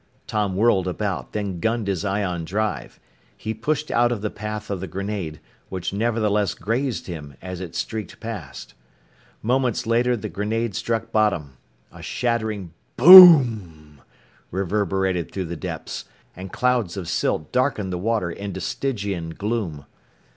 Tom whirled about, then gunned his ion drive. He pushed out of the path of the grenade, which nevertheless grazed him as it streaked past. Seconds later, the grenade struck bottom. A shattering bo o oom reverberated through the depths, and clouds of silt darkened the water into Stygian gloom.